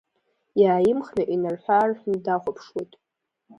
Иааимхны инарҳәы-аарҳәны дахәаԥшуеит.